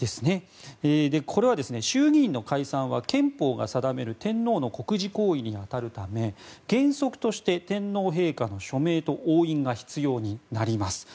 これは、衆議院の解散は憲法が定める天皇の国事行為に当たるため原則として天皇陛下の署名と押印が必要になります。